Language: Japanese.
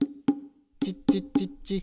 チッチッチッチッ